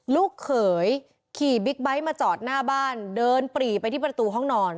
ลูกเขยขี่บิ๊กไบท์มาจอดหน้าบ้านเดินปรีไปที่ประตูห้องนอน